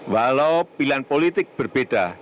walau pilihan politik berbeda